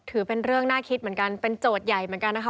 ถือเป็นเรื่องน่าคิดเหมือนกันเป็นโจทย์ใหญ่เหมือนกันนะคะ